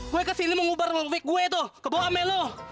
gue ke sini mau ngubar lok wik gue tuh ke bawah me lo